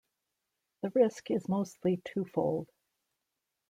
The risk is mostly twofold.